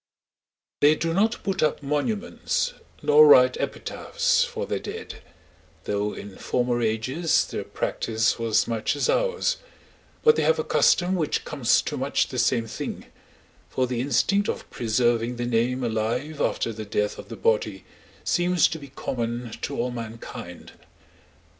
They do not put up monuments, nor write epitaphs, for their dead, though in former ages their practice was much as ours, but they have a custom which comes to much the same thing, for the instinct of preserving the name alive after the death of the body seems to be common to all mankind.